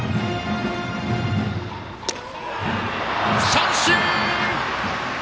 三振！